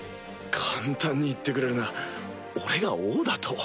簡単に言ってくれるな俺が王だと？